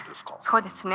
そうですね。